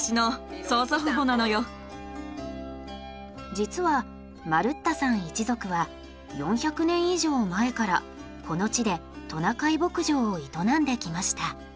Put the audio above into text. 実はマルッタさん一族は４００年以上前からこの地でトナカイ牧場を営んできました。